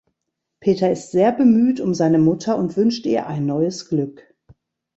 Peter ist sehr bemüht um seine Mutter und wünscht ihr ein neues Glück.